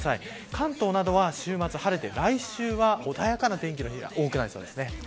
関東などは週末晴れて来週は穏やかな天気の日が多くなりそうです。